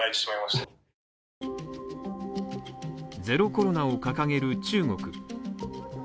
ゼロコロナを掲げる中国。